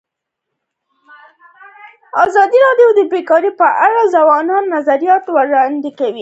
ازادي راډیو د بیکاري په اړه د ځوانانو نظریات وړاندې کړي.